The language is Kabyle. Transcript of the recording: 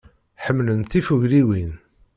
Ḥemmlen tifugliwin.